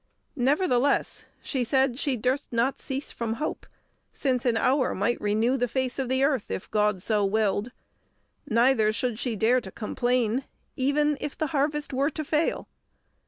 Nevertheless, she said she durst not cease from hope, since an hour might renew the face of the earth, if God so willed; neither should she dare to complain, even the harvest were to fail.